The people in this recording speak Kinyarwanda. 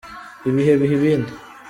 Ibihe biha ibindi.